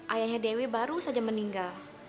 ayahnya dewi baru saja meninggal